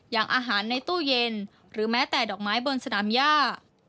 อย่างอาหารในตู้เย็นหรือแม้แต่ดอกไม้บนสนามย่า